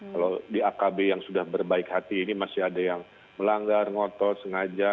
kalau di akb yang sudah berbaik hati ini masih ada yang melanggar ngotot sengaja